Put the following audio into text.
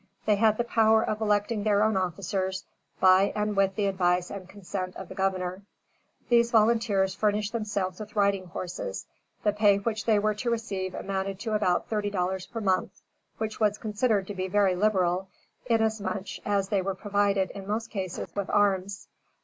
They had the power of electing their own officers, by and with the advice and consent of the Governor. These volunteers furnished themselves with riding horses. The pay which they were to receive amounted to about thirty dollars per month, which was considered very liberal, inasmuch as they were provided, in most cases, with arms.